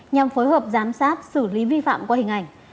nhằm phối hợp giám sát xử lý vi phạm qua hình ảnh